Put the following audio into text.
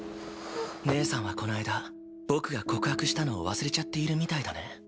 義姉さんはこの間僕が告白したのを忘れちゃっているみたいだね。